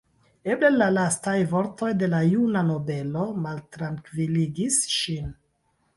Eble la lastaj vortoj de la juna nobelo maltrankviligis ŝin.